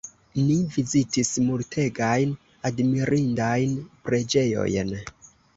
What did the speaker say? Ni vizitis multegajn admirindajn preĝejojn.